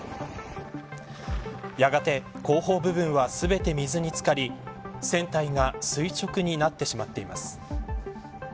やがて後方部分は全て水につかり船体が垂直になってしまっています。